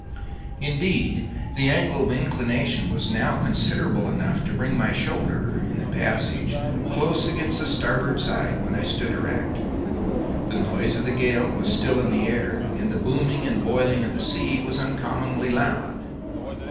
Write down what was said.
Indeed, the angle of inclination was now considerable enough to bring my shoulder (in the passage) close against the starboard side when I stood erect. The noise of the gale was still in the air, and the booming and boiling of the sea was uncommonly loud.